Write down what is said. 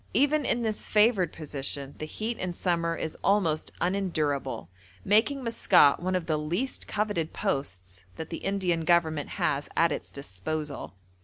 Even in this favoured position the heat in summer is almost unendurable, making Maskat one of the least coveted posts that the Indian Government has at its disposal.